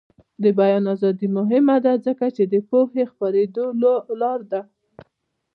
د بیان ازادي مهمه ده ځکه چې د پوهې خپریدو لاره ده.